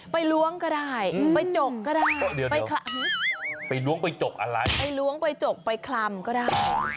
ไปล้วงไปจกอะไรไปล้วงไปจกไปคลำก็ได้